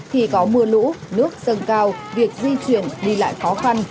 thì có mưa lũ nước sân cao việc di chuyển đi lại khó khăn